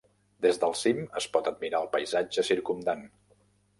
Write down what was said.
Des del cim es pot admirar el paisatge circumdant.